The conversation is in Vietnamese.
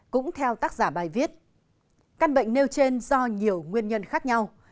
cũng theo tác giả bài viết căn bệnh nêu trên do nhiều nguyên nhân khác nhau